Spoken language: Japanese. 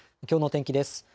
きょうの天気です。